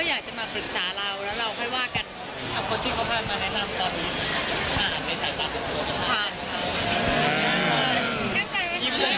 เขาก็แบบถ้าเขาจะชอบใครบ้างเขาก็จะชอบจริง